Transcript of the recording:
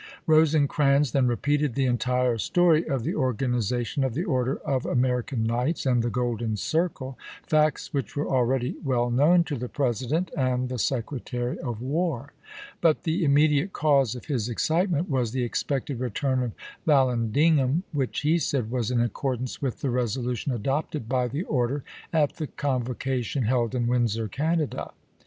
Rosecrans then repeated the entii^e story of the or ganization of the Order of American Knights and the Golden Circle, facts which were already well known to the President and the Secretary of War ; but the immediate cause of his excitement was the expected retmm of Vallandigham, which, he said, was in accordance with the resolution adopted by the order at the convocation held in Windsor, Canada.